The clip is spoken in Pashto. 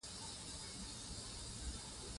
د عامه شتمنیو ساتل د حق ادا کول دي.